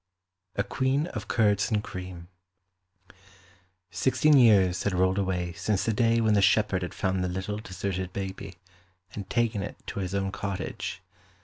A Queen of Curds and Cream Sixteen years had rolled away since the day when the shepherd had found the little deserted baby, and taken it to his own cottage.